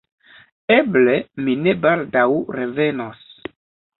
Eble, mi ne baldaŭ revenos.